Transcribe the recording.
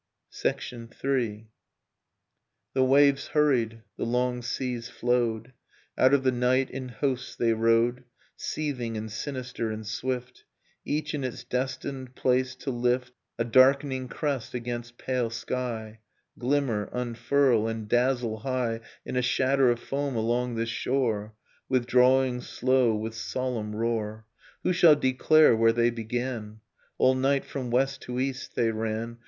... III. The waves hurried, the long seas flowed, Out of the night in hosts they rode, Seething and sinister and swift, Each, in its destined place to lift Nocturne of Remembered Spring A darkening crest against pale sky, Glimmer, unfurl, and dazzle high In a shatter of foam along this shore, Withdrawing slow with solemn roar. Who shall declare where they began? All night from west to east they ran.